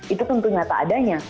itu tentu nyata adanya